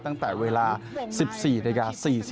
ตั้งแต่เวลา๑๔นาฬิกา